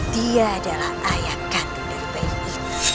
dia adalah ayah kandung dari bayi ini